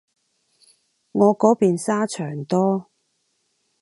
我嗰邊沙場多